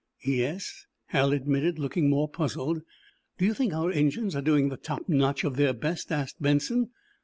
"Yes," Hal admitted, looking more puzzled. "Do you think our engines are doing the top notch of their best?" asked Benson.